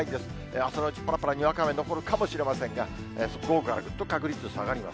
朝のうちぱらぱらにわか雨残るかもしれませんが、午後からぐっと確率下がります。